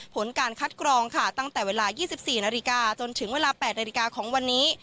ผลการคัดกรองค่ะตั้งแต่เวลา๒๔นาฬิกาจนถึงเวลา๘นาฬิกาของวันนี้